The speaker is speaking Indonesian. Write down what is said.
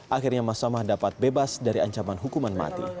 akhirnya mas amah dapat bebas dari ancaman hukuman mati